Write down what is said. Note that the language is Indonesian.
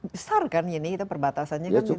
besar kan ini perbatasannya